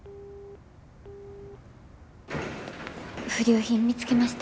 不良品見つけました。